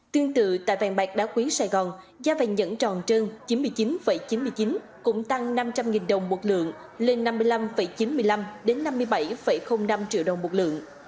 tương tự tại vàng bạc đá quý sài gòn giá vàng nhẫn tròn trơn chín mươi chín chín mươi chín cũng tăng năm trăm linh đồng một lượng lên năm mươi năm chín mươi năm năm mươi bảy năm triệu đồng một lượng